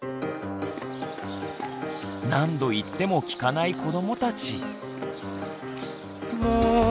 何度言っても聞かない子どもたち。